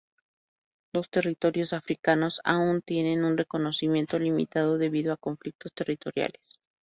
Dos territorios africanos aún tienen un reconocimiento limitado debido a conflictos territoriales.